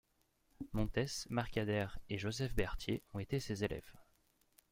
Montès, Mercader et Joseph Berthier ont été ses élèves.